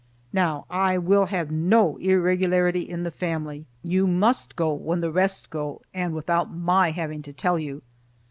Now, I will have no irregularity in the family; you must go when the rest go, and without my having to tell you."